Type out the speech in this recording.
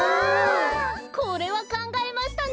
これはかんがえましたね。